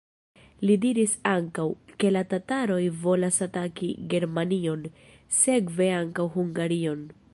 Li diris ankaŭ, ke la tataroj volas ataki Germanion, sekve ankaŭ Hungarion.